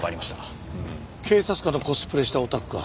警察官のコスプレしたオタクか。